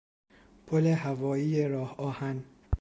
پل هوایی راه آهن